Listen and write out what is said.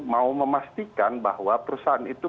mau memastikan bahwa perusahaan itu